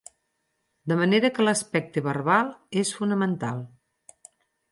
De manera que l'aspecte verbal és fonamental.